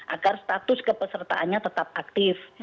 agar status kepesertaannya tetap aktif